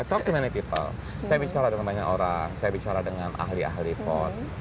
i talk to many people saya bicara dengan banyak orang saya bicara dengan ahli ahli port